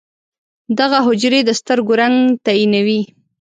دغه حجرې د سترګو رنګ تعیینوي.